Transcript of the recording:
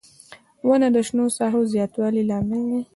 • ونه د شنو ساحو زیاتوالي لامل دی.